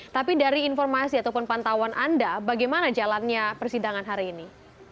tapi dari informasi ataupun pantauan anda bagaimana jalannya persidangan hari ini